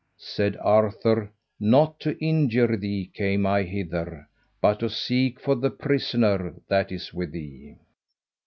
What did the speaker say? Said Arthur, "Not to injure thee came I hither, but to seek for the prisoner that is with thee."